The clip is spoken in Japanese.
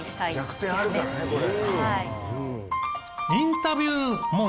逆転あるからねこれ。